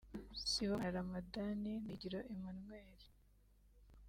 Sibomana Ramadhan na Higiro Emmanuel